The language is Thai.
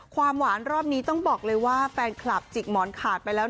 ความหวานรอบนี้ต้องบอกเลยว่าแฟนคลับจิกหมอนขาดไปแล้ว